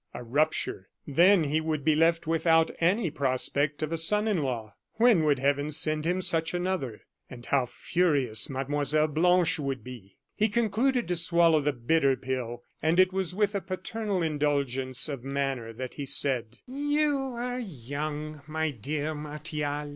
A rupture then he would be left without any prospect of a son in law! When would Heaven send him such another? And how furious Mlle. Blanche would be! He concluded to swallow the bitter pill; and it was with a paternal indulgence of manner that he said: "You are young, my dear Martial."